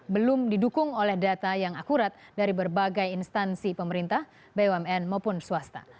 belum didukung oleh data yang akurat dari berbagai instansi pemerintah bumn maupun swasta